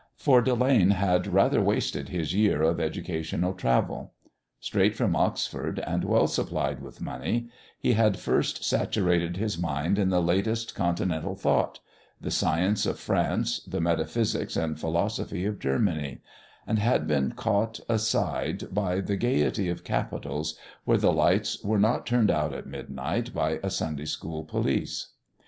For Delane had rather wasted his year of educational travel. Straight from Oxford, and well supplied with money, he had first saturated his mind in the latest Continental thought the science of France, the metaphysics and philosophy of Germany and had then been caught aside by the gaiety of capitals where the lights are not turned out at midnight by a Sunday School police.